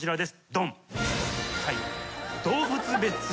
ドン。